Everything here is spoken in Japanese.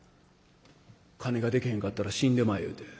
金ができへんかったら死んでまえ言うて。